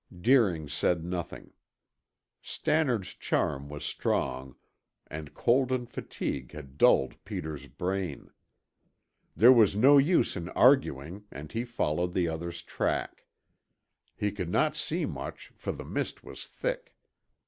Deering said nothing. Stannard's charm was strong, and cold and fatigue had dulled Peter's brain. There was no use in arguing and he followed the others' track. He could not see much, for the mist was thick.